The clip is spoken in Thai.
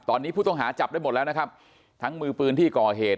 ตอนนี้ผู้ต้องหาจับได้หมดแล้วนะครับทั้งมือปืนที่ก่อเหตุ